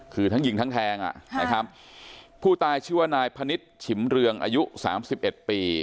คือทั้งยิงทั้งแทงนะครับผู้ตายชื่อว่านายพนิษฐ์ฉิมเรืองอายุ๓๑ปี